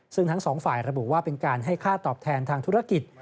ซึ่งทั้งสองฝ่ายระบุว่าเป็นการให้ค่าตอบแทนทางธุรกิจ